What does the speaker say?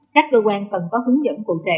các cơ quan cần có hướng dẫn cụ thể